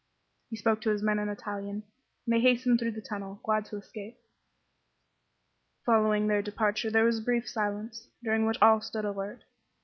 He spoke to his men in Italian, and they hastened through the tunnel, glad to escape. Following their departure there was a brief silence, during which all stood alert.